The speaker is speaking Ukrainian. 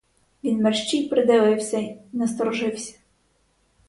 Він мерщій придивився й насторожився.